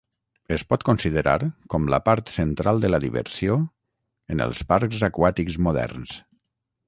Es pot considerar com la part central de la diversió en els parcs aquàtics moderns.